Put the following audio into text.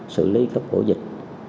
xử lý các ổ dịch